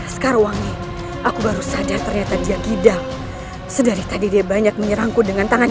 sekarang wangi aku baru saja ternyata dia gidang sedari tadi dia banyak menyerangku dengan tangan